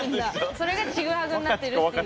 それが「チグハグ」になってるっていう。